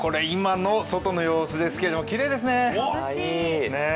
今の外の様子ですけれどもきれいですね。